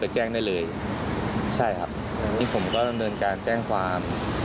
ก็จะแจ้งได้เลยในที่ผมก็เงินการแจ้งความ